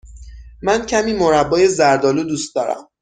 من کمی مربای زرد آلو دوست دارم.